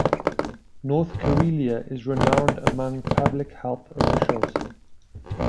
North Karelia is renowned among public health officials.